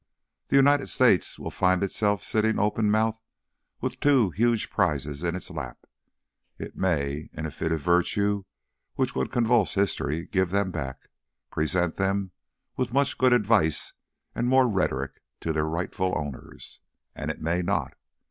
The United States will find itself sitting open mouthed with two huge prizes in its lap. It may, in a fit of virtue which would convulse history, give them back, present them, with much good advice and more rhetoric, to their rightful owners. And it may not.